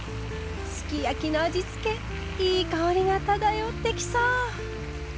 すき焼きの味付けいい香りが漂ってきそう！